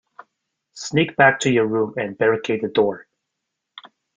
Sneak back to your room and barricade the door.